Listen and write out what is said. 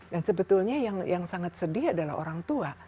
dan sebetulnya yang sangat sedih adalah orang tua